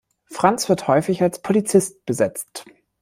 Franz wird häufig als Polizist besetzt.